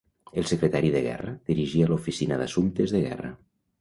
El Secretari de guerra dirigia l'Oficina d'assumptes de guerra.